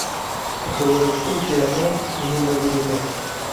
Ushobora gukurikirana ihindagurika